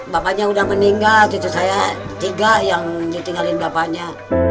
bapaknya udah meninggal cucu saya tiga yang ditinggalin bapaknya